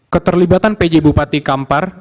keterlibatan pj bupati kampar